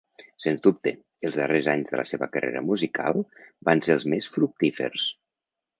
Sens dubte, els darrers anys de la seva carrera musical van ser els més fructífers.